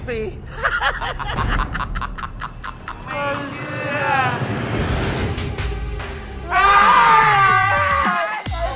ไม่เชื่อ